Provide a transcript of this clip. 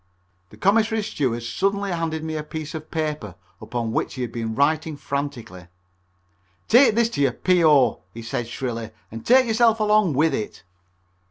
The commissary steward suddenly handed me a piece of paper upon which he had been writing frantically. "Take this to your P.O.," he said shrilly, "and take yourself along with it.